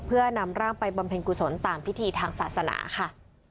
เพื่อนำร่างไปบำเพ็ญกุศลตามพิธีทางศาสนาค่ะ